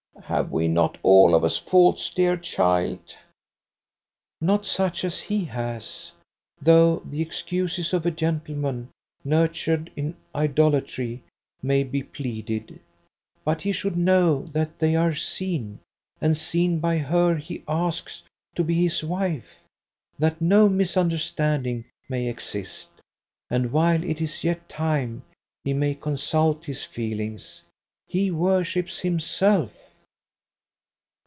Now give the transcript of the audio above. "Have we not all of us faults, dear child?" "Not such as he has; though the excuses of a gentleman nurtured in idolatry may be pleaded. But he should know that they are seen, and seen by her he asks to be his wife, that no misunderstanding may exist, and while it is yet time he may consult his feelings. He worships himself."